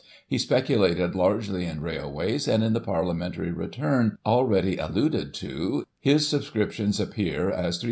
He speculated largely in railways, and, in the Parliamentary return, already alluded to, his subscrip tions appear as ;£^3 19,835.